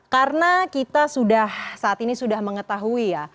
karena kita sudah saat ini sudah mengetahui ya